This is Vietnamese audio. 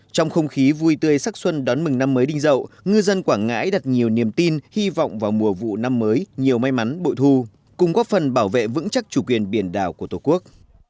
trong không khí vui tươi sắc xuân đón mừng năm mới đinh dậu ngư dân quảng ngãi đặt nhiều niềm tin hy vọng vào mùa vụ năm mới nhiều may mắn bội thu cùng góp phần bảo vệ vững chắc chủ quyền biển đảo của tổ quốc